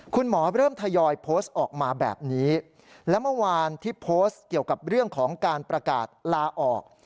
คุณหมอเริ่มทยอยโพสต์ออกมาแบบนี้และเมื่อวานที่โพสต์เกี่ยวกับเรื่องของการประกาศลาออก